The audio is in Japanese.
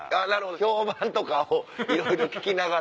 評判とかをいろいろ聞きながら。